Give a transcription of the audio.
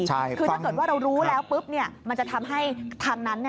คือถ้าเกิดว่าเรารู้แล้วปุ๊บมันจะทำให้ทางนั้น